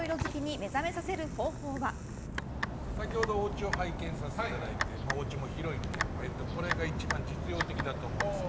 先ほどおうちを拝見させていただいておうちも広いのでこれが一番実用的だと思うんです。